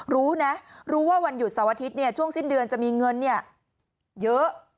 รู้นะรู้ว่าวันหยุดเสาร์อาทิตย์ช่วงสิ้นเดือนจะมีเงินเยอะ